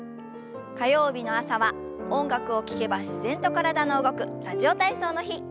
火曜日の朝は音楽を聞けば自然と体の動く「ラジオ体操」の日。